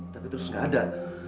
tapi terus tidak ada